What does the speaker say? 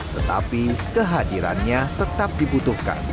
tetapi kehadirannya tetap dibutuhkan